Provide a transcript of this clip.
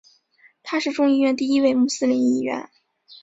他是众议院第一位穆斯林议员。